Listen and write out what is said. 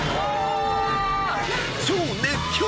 ［超熱狂！